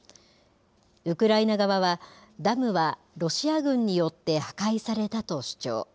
ウクライナ側は、ダムはロシア軍によって破壊されたと主張。